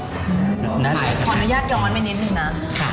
ขออนุญาตย้อนไปนิดนึงนะ